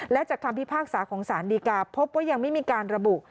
และจากคำพิพากษาของสารดีกาพบว่ายังไม่มีการระบุ